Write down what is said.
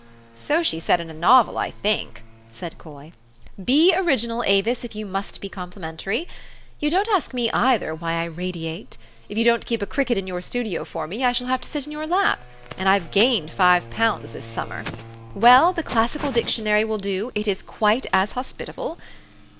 " So she said in a novel, I think," said Coy. " Be original, Avis, if you must be complimentary. You don't ask me, either, why I radiate. If you don't keep a cricket in your studio for me, I shall have to sit in your lap ; and I've gained five pounds this summer. Well, the classical dictionary will do : it is quite as hospitable.